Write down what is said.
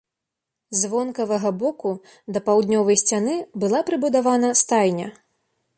З вонкавага боку да паўднёвай сцяны была прыбудавана стайня.